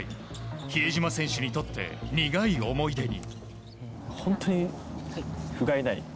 比江島選手にとって苦い思い出に。